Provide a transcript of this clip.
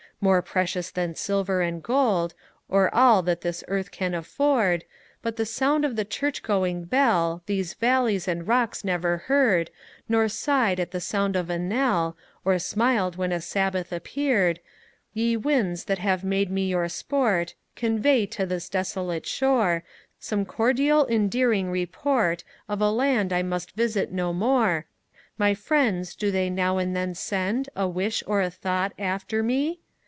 More precious than silver and gold, Or all that this earth can afford But the sound of the church going bell These valleys and rocks never heard, Ne'er sighed at the sound of a knell, Or smiled when a sabbath appeared Ye winds, that have made me your sport Convey to this desolate shore Some cordial endearing report Of a land I must visit no more My friends, do they now and then send A wish or a thought after me?